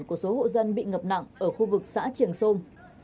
của số hộ dân bị ngập nặng ở khu vực xã trường sôn